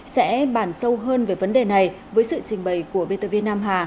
sẽ bàn sâu hơn về vấn đề này với sự trình bày của btv nam hà